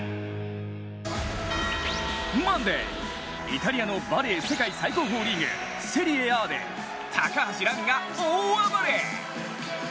イタリアのバレー世界最高峰リーグセリエＡで高橋藍が大暴れ！